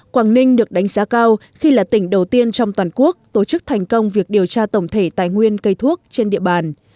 quảng ninh được đánh giá cao khi là tỉnh đầu tiên trong toàn quốc tổ chức thành công việc điều tra tổng thể tài nguyên cây thuốc trên địa bàn